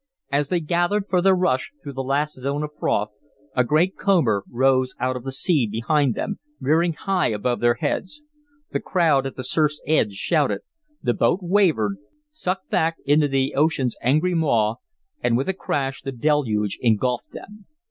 As they gathered for their rush through the last zone of froth, a great comber rose out of the sea behind them, rearing high above their heads. The crowd at the surf's edge shouted. The boat wavered, sucked back into the ocean's angry maw, and with a crash the deluge engulfed them.